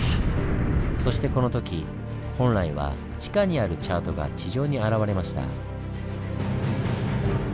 そしてこの時本来は地下にあるチャートが地上に現れました。